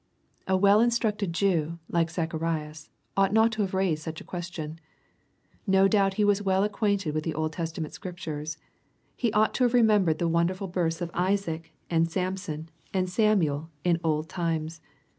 A well instracted Jew, like Zacharias, ought not to have raised such a question. No doubt he was well ac quainted with the Old Testament Scriptures. He ought to have remembered the wonderful births of Isaac, and Samson, and Samuel iu old times.